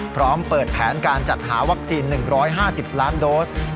พร้อมเปิดแผนการจัดหาวัคซีน๑๕๐ล้านโดส